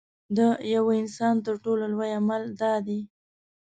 د یوه انسان تر ټولو لوی عمل دا دی.